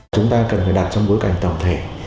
chúng ta cần phải đặt trong bối cảnh tổng thể